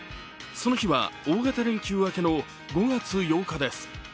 その日は大型連休明けの５月８日です。